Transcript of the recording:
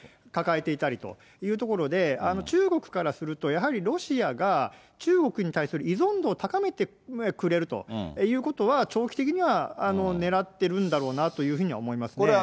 抱えていたりというところで、中国からすると、やはりロシアが、中国に対する依存度を高めてくれるということは、長期的にはねらってるんだろうなとは思いますね。